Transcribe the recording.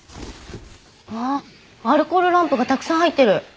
わっアルコールランプがたくさん入ってる。